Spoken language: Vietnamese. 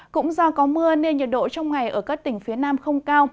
cũng do có mưa nên nhiệt độ trong ngày ở các tỉnh phía nam không cao